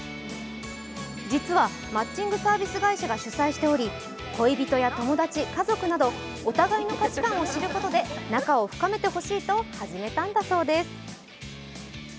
実は、マッチングサービス会社が主催しており恋人や友達、家族などお互いの価値観を知ることで仲を深めてほしいと始めたんだそうです。